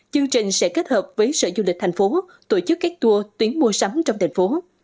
chương trình sẽ kết hợp với sở du lịch thành phố tổ chức các tour tuyến mua sắm trong thành phố